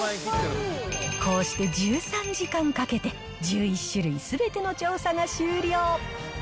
こうして１３時間かけて、１１種類すべての調査が終了。